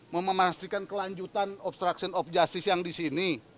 mau memastikan kelanjutan obstruction of justice yang di sini